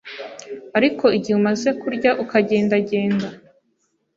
Ariko igihe umaze kurya, ukagendagenda,